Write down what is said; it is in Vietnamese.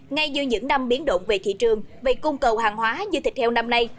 ngay dưới những năm biến động về thị trường về cung cầu hàng hóa như thịt heo năm nay